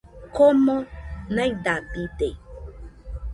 komo naidabide